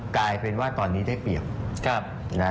กลายเป็นว่าตอนนี้ได้เปรียบ